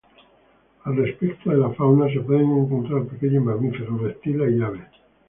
Al respecto de la fauna se pueden encontrar pequeños mamíferos, reptiles y aves.